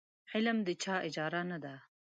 علم د چا اجاره نه ده.